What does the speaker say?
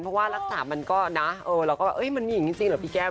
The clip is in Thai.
เพราะว่ารักษามันก็นะเราก็ว่าเอ๊ะมันมีอย่างนี้จริงหรือ